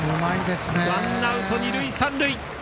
ワンアウト、二塁三塁。